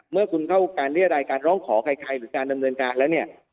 เมื่อคุณเข้าการเรียรายการร้องขอใครหรือการดำเนินการแล้วเนี่ย